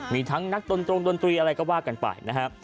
มีทั้งนักดนตรงดนตรีอะไรก็ว่ากันไปนะฮะ